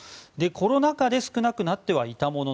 コロナ禍で少なくなっていたもの